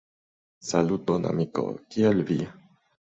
Saluton amiko, kiel vi?